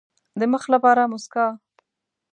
د مخ لپاره موسکا.